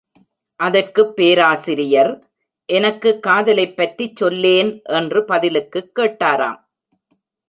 அதற்குப் பேராசிரியர், எனக்குக் காதலைப் பற்றிச் சொல்லேன் என்று பதிலுக்குக் கேட்டாராம்.